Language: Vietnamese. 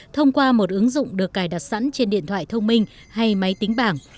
thông qua một ứng dụng được cài đặt sẵn trên điện thoại thông minh hay máy tính bảng